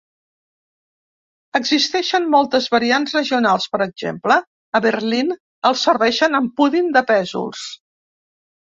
Existeixen moltes variants regionals; per exemple, a Berlín el serveixen amb pudin de pèsols.